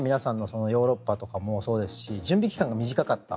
ヨーロッパとかもそうですし準備期間が短かった。